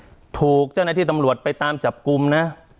ตรงจากเจ้านัยที่ตำรวจไปตามจับกุมนะ